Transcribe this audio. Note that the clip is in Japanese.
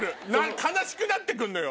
悲しくなって来んのよ。